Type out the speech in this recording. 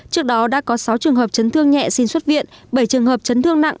trước đó đã có sáu trường hợp chấn thương nhẹ xin xuất viện bảy trường hợp chấn thương nặng